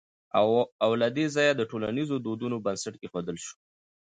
او له دې ځايه د ټولنيزو دودونو بنسټ کېښودل شو